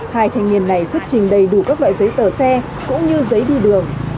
hai thành viên này xuất trình đầy đủ các loại giấy tờ xe cũng như giấy đi đường